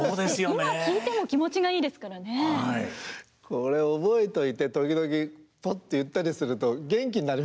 これ覚えといて時々ポッと言ったりすると元気になりますよね。